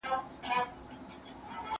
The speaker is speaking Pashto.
زه به اوږده موده ږغ اورېدلی وم!!